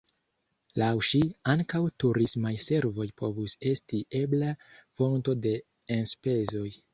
Laŭ ŝi, ankaŭ turismaj servoj povus esti ebla fonto de enspezoj.